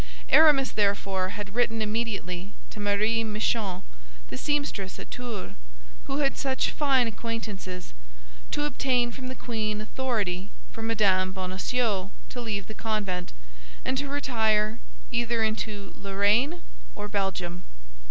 Aramis therefore had written immediately to Marie Michon, the seamstress at Tours who had such fine acquaintances, to obtain from the queen authority for Mme. Bonacieux to leave the convent, and to retire either into Lorraine or Belgium.